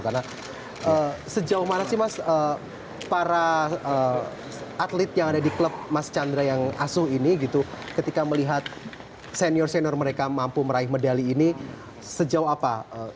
karena sejauh mana sih mas para atlet yang ada di klub mas chandra yang asuh ini gitu ketika melihat senior senior mereka mampu meraih medali ini sejauh apa